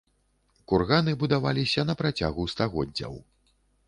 Курганы будаваліся на працягу стагоддзяў.